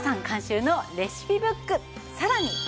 監修のレシピブックさらに